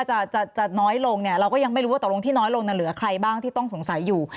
จะจะน้อยลงเนี่ยเราก็ยังไม่รู้ว่าตกลงที่น้อยลงเหลือใครบ้างที่ต้องสงสัยอยู่